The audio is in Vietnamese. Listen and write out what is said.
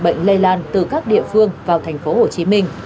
bệnh lây lan từ các địa phương vào tp hcm